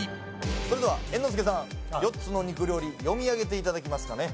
それでは猿之助さん４つの肉料理読み上げていただけますかね